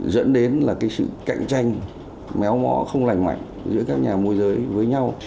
dẫn đến sự cạnh tranh méo mỏ không lành mạnh giữa các nhà môi giới với nhau